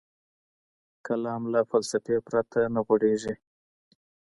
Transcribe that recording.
کلام له فلسفې پرته نه غوړېږي.